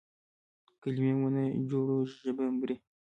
که کلمې ونه جوړو ژبه مري.